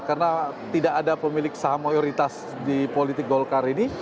karena tidak ada pemilik saham mayoritas di politik golkar ini